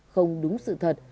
không đúng sự thật